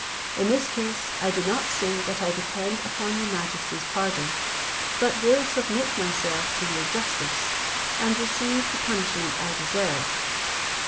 In this case I do not say that I depend upon your majesty's pardon, but will submit myself to your justice, and receive the punishment I deserve.